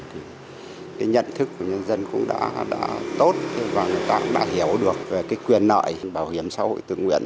thì cái nhận thức của nhân dân cũng đã tốt và người ta cũng đã hiểu được về cái quyền nợ bảo hiểm xã hội tự nguyện